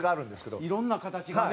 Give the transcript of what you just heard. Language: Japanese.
蛍原：いろんな形がね。